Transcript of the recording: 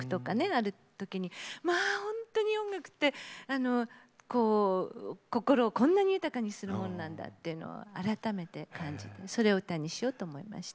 あるときにまあほんとに音楽って心をこんなに豊かにするものなんだっていうのを改めて感じてそれを歌にしようと思いました。